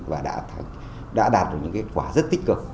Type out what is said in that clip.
và đã đạt được những quả rất tích cực